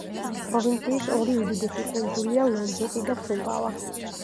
პროვინციის ორი უდიდესი კუნძულია: ლომბოკი და სუმბავა.